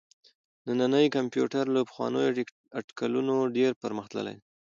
نننی کمپيوټر له پخوانيو اټکلونو ډېر پرمختللی دی.